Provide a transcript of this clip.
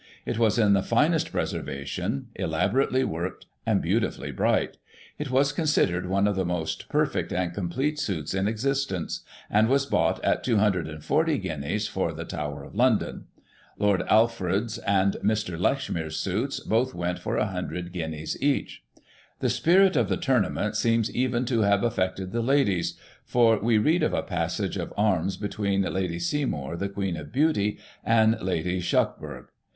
It was in the finest preservation, elaborately worked, and beautifully bright It was considered one of the most perfect and complete suits in existence, and was bought at 240 guineas for the Tower of London. Lord Alford's and Mr. Lechmere's suits both went for icx) guineas each. The spirit of the Tournament seems even to have affected the ladies, for we read of a passage of arms between Lady Seymour, the Queen of Beauty, and Lady Shuckburgh.